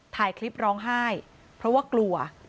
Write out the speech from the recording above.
ถ่ายคลิปร้องไห้เพราะว่ากลัว